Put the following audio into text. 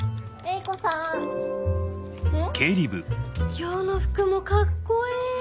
今日の服もカッコいい！